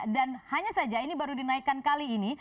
dan hanya saja ini baru dinaikan kali ini